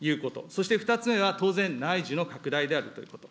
そして２つ目は当然、内需の拡大であるということ。